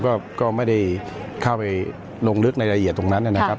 ก็ไม่ได้เข้าไปลงลึกในละเอียดตรงนั้นนะครับ